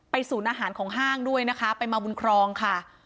ศูนย์อาหารของห้างด้วยนะคะไปมาบุญครองค่ะ